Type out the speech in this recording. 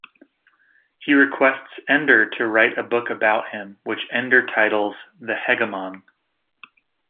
He requests Ender to write a book about him, which Ender titles "The Hegemon".